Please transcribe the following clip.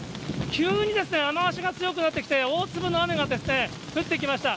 急に雨足が強くなってきて、大粒の雨が降ってきました。